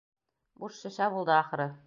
Буш шешә булды, ахыры.